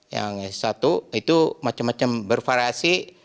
yang satu itu macam macam bervariasi